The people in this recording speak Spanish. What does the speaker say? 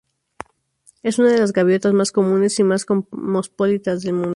Es una de las gaviotas más comunes y más cosmopolitas del mundo.